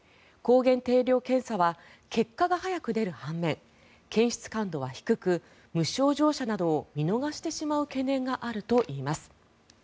抗原定量検査は結果が早く出る半面検出感度は低く無症状者などを見逃してしまう懸念があるといいます。